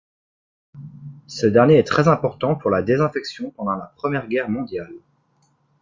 Ce dernier est très important pour la désinfection pendant la Première Guerre mondiale.